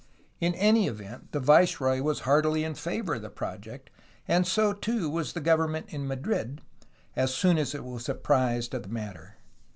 In any event the viceroy was heartily in favor of the project, and so too was the government in Madrid as soon as it was ap prised of the matter.